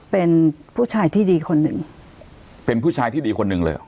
เป็นผู้ชายที่ดีคนหนึ่งเป็นผู้ชายที่ดีคนหนึ่งเลยเหรอ